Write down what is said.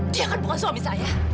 dia kan bukan suami saya